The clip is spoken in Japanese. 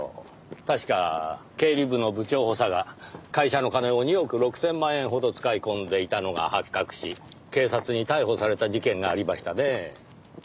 確か経理部の部長補佐が会社の金を２億６千万円ほど使い込んでいたのが発覚し警察に逮捕された事件がありましたねぇ。